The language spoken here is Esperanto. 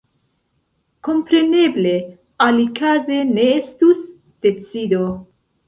Kompreneble, alikaze ne estus decido.